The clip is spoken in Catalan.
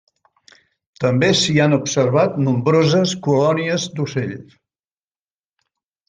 També s'hi han observat nombroses colònies d'ocells.